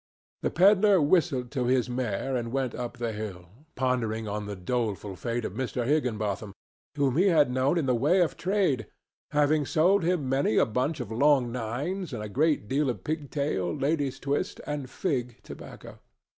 The pedler whistled to his mare and went up the hill, pondering on the doleful fate of Mr. Higginbotham, whom he had known in the way of trade, having sold him many a bunch of long nines and a great deal of pig tail, lady's twist and fig tobacco.